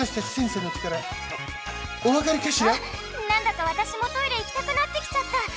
なんだかわたしもトイレいきたくなってきちゃった。